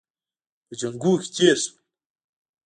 په جنګونو کې تېر شول.